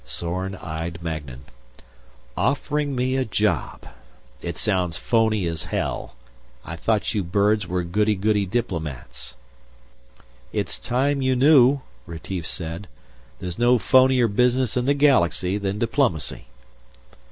Zorn eyed Magnan. "Offering me a job it sounds phony as hell. I thought you birds were goody goody diplomats." "It's time you knew," Retief said. "There's no phonier business in the Galaxy than diplomacy."